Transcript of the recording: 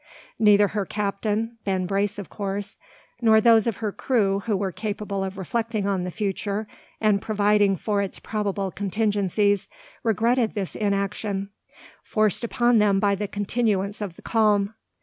Neither her captain, Ben Brace of course, nor those of her crew who were capable of reflecting on the future, and providing for its probable contingencies, regretted this inaction, forced upon them by the continuance of the calm.